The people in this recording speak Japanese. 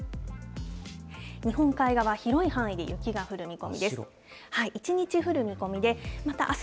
日本海側、広い範囲で雪が降る見込みです。